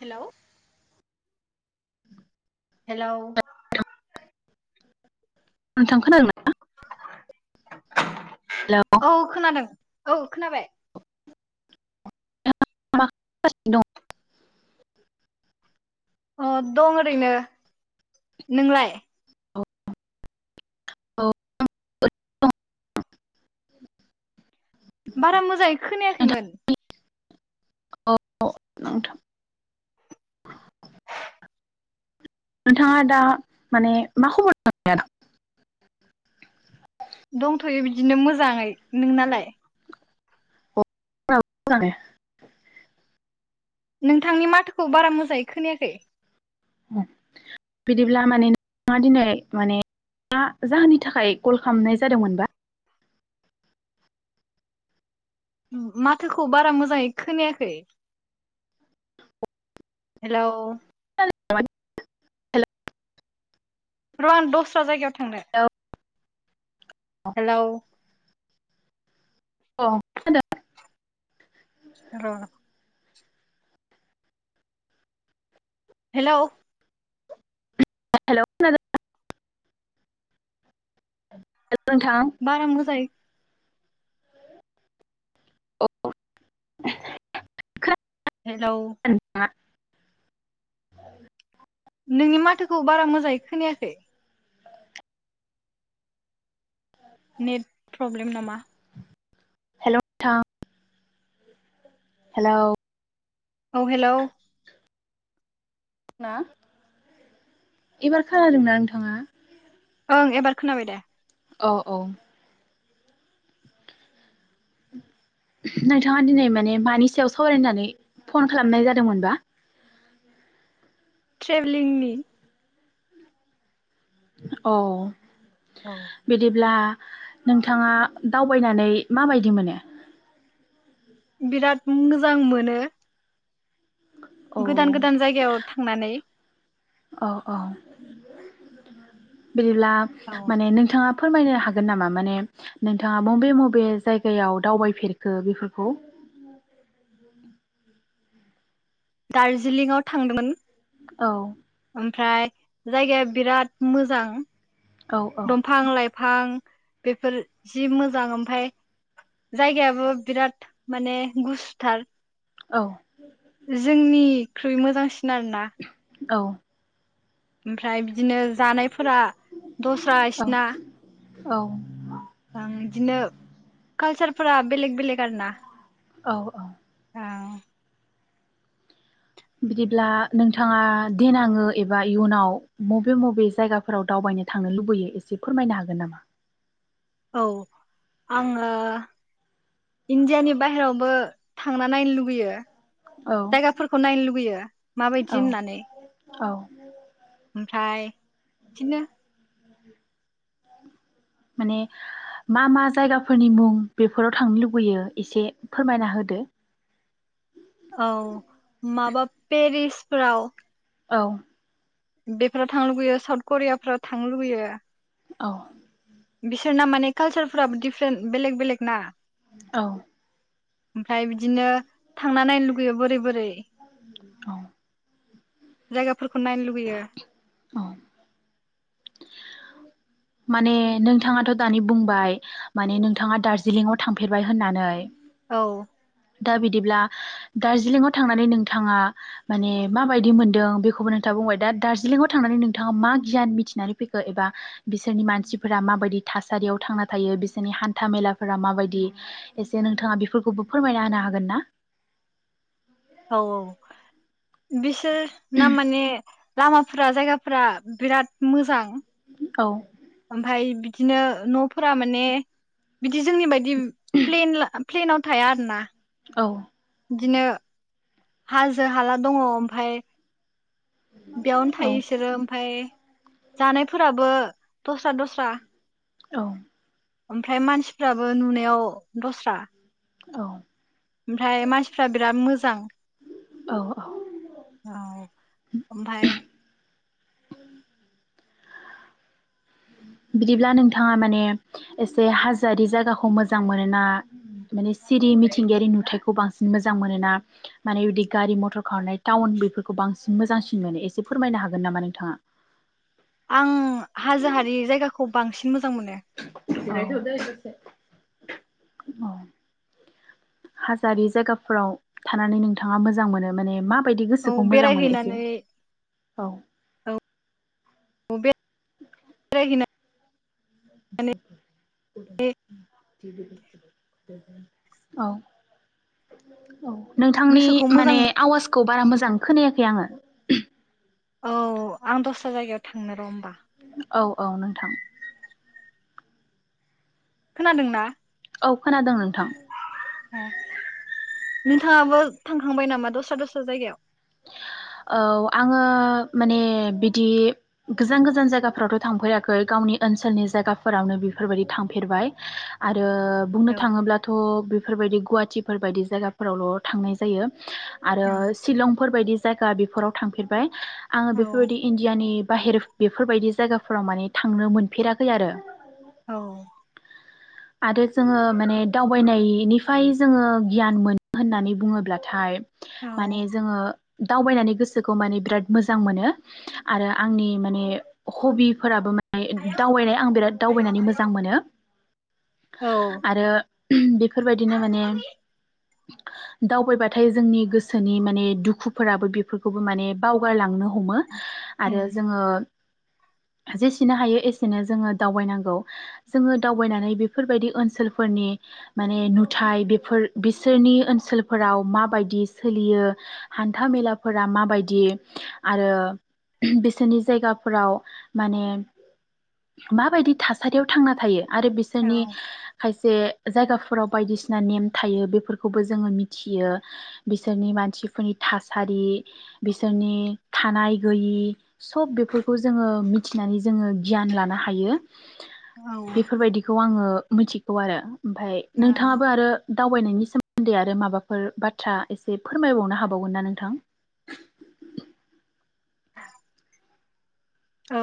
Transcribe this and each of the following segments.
Hello? [unintelligible] Hello? नोंथां खोनादोंना? औ खोनादों औ खोनाबाय। [unintelligible] अह दं ओरैनो। नोंलाय? दं? [unintelligible] बारा मोजाङै खोनायाखैमोन। अह नोंथां। नोंथाङा दा माने मा [unintelligible] दंथ'यो बिदिनो मोजाङै, नोंनालाय? [unintelligible] नोंथांनि माथोखौ बारा मोजाङै खोनायाखै। बिदिब्ला माने नों [inaudible] ङा दिनै माने मा जाहोननि थाखाय कल खामनाय जादोंमोनबा? माथोखौ बारा मोजाङै खोनायाखै। हेलौ? [inaudible] र' आं दस्रा जायगायाव थांनो। हेलौ? अह खो [unintelligible] र' र'। हेलौ? हेलौ [unintelligible] नोंथां बारा मोजाङै औ [inaudible] हेलौ? [unintelligible] नोंनि माथोखौ बारा मोजाङै खोनायाखै। नेट प्रब्लेम नामा? हेल' नोंथां? हेलौ? औ हेलौ। ना एबार खोनादोंना नोंथाङा? ओं एबार खोनाबाय दे। औ औ। [inaudible] नोंथाङा दिनै माने मानि सायाव सावरायनो होन्नानै फन खालामनाय जादोंमोनबा? ट्रेभेलिंनि। औ औ ।बिदिब्ला नोंथाङा दावबायनानै माबायदि मोनो? बिराद मोजां मोनो औ गोदान गोदान जायगायाव थांनानै औ औ बिदिब्ला माने नोंथाङा' फोरमायनो हागोन नामा माने नोंथाङा मबे मबे जायगायाव दावबायफेरखो बेफोरखौ [inaudible] दार्जिलिंआव थांदोंमोन औ ओमफ्राय जायगाया बिराद मोजां औ औ दंफां लाइफां बेफोर जि मोजां ओमफाय जायगायाबो बिराद माने गुसुथार औ जोंनिख्रुइ मोजांसिन आरोना। औ। ओमफ्राय बिदिनो जानायफोरा दस्रा इसना औ औ आ बिदिनो कालसारफोरा बेलेग बेलेग आरो ना? औ औ। अह बिदिब्ला नोंथाङा देनाङो एबा इयुनाव मबे मबे जायगाफोराव दावबायनो थांनो लुबैयो एसे फोरमायनो हागोन नामा औ आङो इण्डियानि बाहेरावबो थांना नायनो लुुबैयो औ जायगाफोरखौ नायनो लुुबैयो माबायदि औ होननानै [inaudible] ओमफ्राय इदिनो माने मा मा जायगाफोरनि मुं बेफोराव थांनो लुबैयो? एसे फोरमायना होदो दे औ माबा पेरिसफोराव औ बेफोराव थांनो लुबैयो साउथ करियाफोराव थांनो लुबैयो औ बिसोरना माने कालसारफोराबो दिडिफारेन्ट बेलेग बेलेग ना? औ ओमफ्राय बिदिनो थांना नायनो लुगैयो बोरै बोरै औ जायगाफोरखौ नायनो लुबैयो औ माने नोंथाङाथ' दानि बुंबाय माने नोंथाङा दार्जिलिंआव थांफेरबाय होननानै औ। दा बिदिब्ला दार्जिलिंआव थांनानै नोंथाङा माने माबायदि मोनदों बेखौबो नोंथाङा बुंबाय दा दार्जिलिंआव थांनानै नोंथाङा मा गियान मिथिनानै फैखो एबा बिसोरनि मानसिफोरा माबायदि था थासारियाव थांना थायो बिसोरनि हान्था मेलाफोरा माबायदि एसे नोंथाङा बेफोरखौबो फोरमायना होनो हागोन ना? औ औ बिसोर ना माने लामाफोरा जायगाफोरा बिराद मोजां औ ओमफाय बिदिनो न'फोरा माने बिदि जोंनि बायदि प्लेन ला प्लेनाव थाया आरो ना? औ। बिदिनो हाजो हाला दङ ओमफाय बेयावनो औ थायो बिसोरो ओमफफ्राय जानायफोराबो दस्रा दस्रा औ ओमफ्राय मानसिफ्राबो नुनायाव दस्रा औ ओमफ्राय मानसिफ्रा बिराद मोजां। औ औ औ ओमफाय बिदिब्ला नोंथाङा माने एसे हाजोआरि जायगाखौ मोजां मोनोना माने सिरि मिथिंगायारि नुथायखौ बांसिन मोजां मोन ना माने बिदि गारि मथर खनाय थावउन बेफोरखौ बांसिन मोजांसिन माने एसे फोरमायनो हागोन नामा नोंथाङा। आं हाजो हारि जायगाखौ बांसिन मोजां मोनो। औ हाजोआरि जागाफोराव थानानै मोजां मोनो माने मा बायदि औ गोसोखौ मोजां मोनो एसे बेरायहैनानै औ । उबे [unintelligible] माने [inaudible] ने औ औ नोंथांनि गोसोखौ मोजां माने मोनो। आवाजखौ बारा मोजां खोनायाखै आङो । औ आं दस्रा जायगायाव थांनो र' होनबा। औ औ नोंथां। खोनादों ना। औ खोनादों नोंथां । नोंथाङाबो थांखांबाय नामा दस्रा दस्रा जायगायाव? औ आङो माने बिदि गोजान गोजान जायगाफ्रावथ' थांफेराखै गाव नि ओनसोलनि जायगाफोरावनो बेफोरबायदि थांफेरबाय आरो ओ बुंनो औ थाङोब्लाथ' बेफोरबायदि गुवाहाटिफोर बायदि जायगाफोरावल' थांनाय जायो। आरो शिलं बेफोरबायदि जायगा बेफोराव थांफेरबाय आङो औ बेफोर बायदि इन्दियानि बाहेर बेफोर बायदि जायगाफ्राव माने थांनो मोनफेराखै आरो । औ आरो जोङो माने दावबायनायनिफाय जोङो गियान मोनो होननानै बुङोब्लाथाय औ माने जोङो दावबायनानै गोसोखौ माने बिराद मोजां मोनो आरो आंनि माने हबिफोरा दावबायनाय आं बिराद दावबायनानै मोजां मोनो । औ आरो बेफोरबायदिनो माने दावबायबाथाय जोंनि गोसोनि माने दुखुफोराबो बेफोरखौबो माने बावगारलांनो हमो आरो उम, जोङो [inaudible] जेसेनो हायो एसेनो जोङो दावबायनांगौ जोङो दावबायनानै बेफोरबायदि ओनसोलफोरनि माने नुथाय बेफोर बिसोरनि ओनसोलफोराव माबायदि सोलियो हान्था मेलाफोरा माबायदि आरो बिसोरनि जायगाफोराव माने माबायदि थासारियाव थांना थायो आरो औ बिसोरनि खायसे जे जायगाफोराव बायदिसिना नेम थायो बेफोरखौबो जोङो मिथियो बिसोरनि मानसिफोर थासारि बिसोरनि थानाय गैयि सब बेफोरखौ जोङो मिथि नानै जोङो गियान लानो हायो औ बेफोरबायदिखौ आङो मिथिगौ आरो ओमफाय नोंथाङाबो आरो दावबायनायनि सोमोन्दै आरो माबाफोर बाथ्रा एसे फोरमायबावनो हाब बावगोन ना नोंथां । औ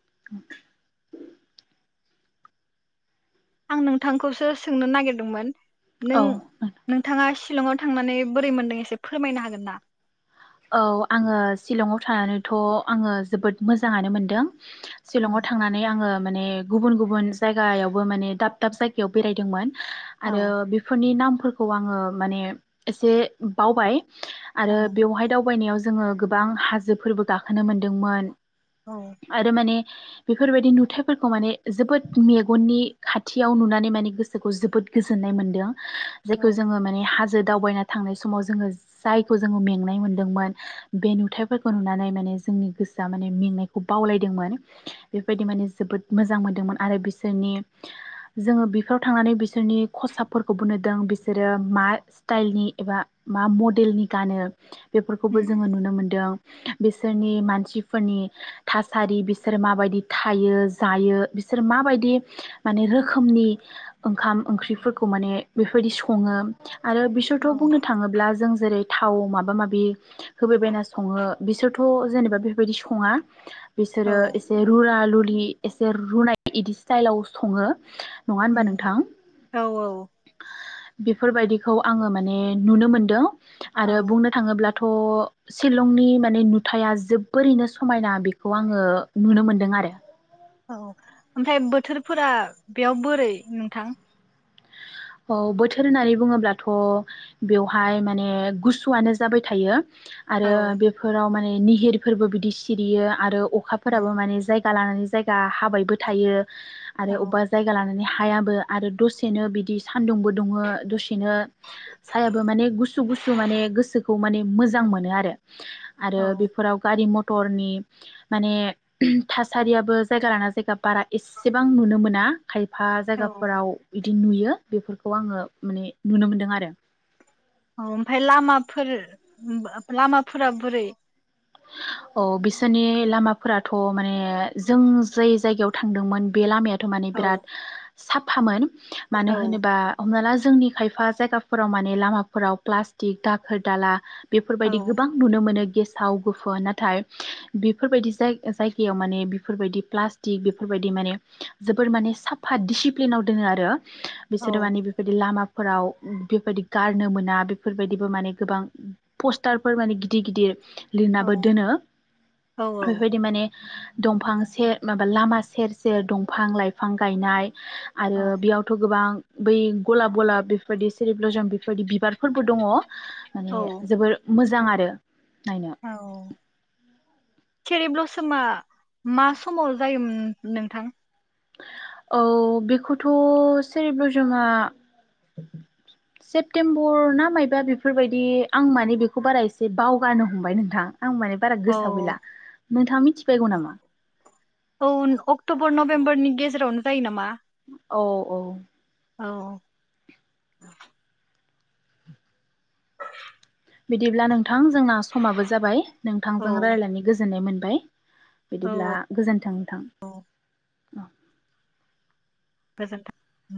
[inaudible] आं नोंथांखौसो सोंनो नागिरदोंमोन? नों औ नोंथां। नोंथाङा शिलंआव थांनानै बोरै मोनदों एसे फोरमायनो हागोन ना? औ आङो शिलंआव थानानैथ' आङो जोबोद मोजाङानो मोनदों । शिलंआव थांनानै आङो माने गुबुन गुबुन जायगायावबो माने दाब दाब जायगायाव बेरायदोंमोन औ आरो बेफोरनि नाम फोरखौ आङो माने एसे बाव बाय आरो ओं बेयावहाय थबायनायाव जोङो गोबां हाजोफोरबो गाखोनो मोनदोंमोन आरो माने बेफोरबायदि नुथायफोरखौ माने जोबोद मेगननि खाथियाव नुनानै माने गोसोखौ जोबोद गोजोन्नाय मोनदों । औ जायखौ जोङो माने हाजो दावबायना थांनाय समाव जोङो जायखौ जोङो मेंनाय मोनो दोंमोन । बे नुथायफोरखौ नुनानै माने जोंनि गोसोआ माने मेंनायखौ बावलायदोंमोन । बेबायदि माने जोबोद मोजां मोन्दोंमोन आरो बिसोरनि जोङो बेफोराव थांनानै बिसोरनि खसाबफोरखौबो नुदों बिसोरो मा स्टाइलनि एबा मा मडेलनि गानो बेफोरखौबो जोङो नुनो मोनदों। बिसोरनि मानसिफोरनि थासारि बिसोर माबायदि थायो जायो बिसोर मा माबायदि माने रोखोमनि ओंखाम ओंख्रिफोरखौ माने बेफोरबायदि सङो। आरो बिसोरथ' बुंनो थाङोब्ला जों जेरै थाव माबा मा बे होबायबायना सङो बिसोरथ' जेनेबा बेफोरबायदि सङा औ बिसोरो एसे रुला लुरि एसे रुनाय इदि स्टाइलाव सङो । उम औ औ। बेफोरबायदिखौ आङो माने नुनो मोनदों आरो औ बुंनो थोङोब्लाथ' शिलंनि माने नुथाया जोबोरैनो समायना बेखौ आङो नुनो मोनदों आरो । औ ओमफ्राय बोथोरफोरा बेयाव बोरै नोंथां? औ बोथोर होननानै बुङोब्लाथ' बेवहाय माने गुसुआनो जाबाय थायो । औ आरो बेफोराव माने निहिरफोरबो बिदि सिरियो आरो अखाफोराबो माने जाय गा लानानै जायगा हाबायबो थायो आरो औ अबबा जायगा लानानै हायाबो आरो दसेनो बिदि सान्दुंबो दुङो दसेनो सायाबो माने गुसु गुसु माने गोसोखौ माने मोजां मोनो आरो आरो औ बेफोराव गारि मथ टरनि माने थासारियाबो जायगा लाना जायगा बारा एसेबां नुनो मोना। खायफा औ जायगाफोराव इदि नुयो। बेफोरखौ आङो माने नुनो मोनदों आरो। औ ओमफाय लामाफोर लामाफोरा बोरै? औ बिसोरनि लामाफोराथ' माने जों जाय जायगायाव थांदोंमोन बे लामाया थ' माने औ बिराद साफामोन मानो औ होनोबा हमना ला जोंनि खायफा जायगाफोराव माने लामाफोराव प्लास्टिक दाखोर दाला औ बेफोरबायदि गोबां नुनो मोनो गेसाव गोफोन नाथाय बेफोरबायदि जायगायाव माने बेफोरबायदि प्लास्टिक बेफोरबायदि माने जोबोर माने साफा डिसिप्लिनाव दोङो आरो औ बिसोरो माने बेबायदि लामा फोराव बेबायदि गारनो मोना बेफोरबायदिबो माने गोबां पस्टारफोर माने गिदिर गिदिर औ लिरनाबो दोनो औ बेबायदि माने दंफां से माबा लामा सेर सेर दंफां लाइफां गायनाय आरो बेयावथ' गोबां बै गलाब गलाब बेफोरबायदि सेरिब्लजम बेफोरबायदि बिबारफोरबो दङ । औ माने जोबोर मोजां आरो नायनो । औ चेरि ब्लसमा मा समाव जायोमोन नोंथां? औ बेखौथ' सेरि ब्लसमा सेप्तेम्बर ना मायबा बेफोरबायदि आं माने बेखौ बारा एसे बावगारनो‌ हमबाय नोंथां। आं माने बारा औ गोसोआव गैला नोंथाङा मिथिबायगौ नामा? औ अक्ट'बर नभेम्बरनि गेजेरावनो जायो नामा? औ औ औ बिदिब्ला नोंथां जोंना समाबो जाबाय औ नोंथांजों रायज्लायनो गोजोननाय मोनबाय बिदिब्ला औ गोजोन्थों नोंथां औ गोजोनथों